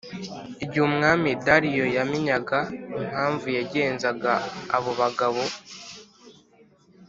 Igihe Umwami Dariyo yamenyaga impamvu yagenzaga abobagabo